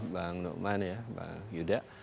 bang nokman ya bang yuda